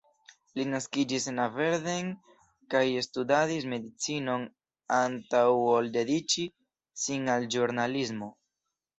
Li naskiĝis en Aberdeen, kaj studadis medicinon antaŭ ol dediĉi sin al ĵurnalismo.